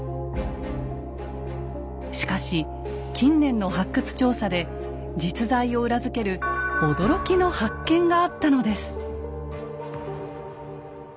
しかし近年の発掘調査で実在を裏付ける驚きの発見があったのです。